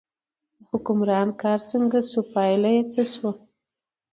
د حکمران کار څنګه شو، پایله یې څه شوه.